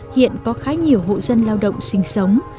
hiện có khá nhiều hộ dân lao động sinh sống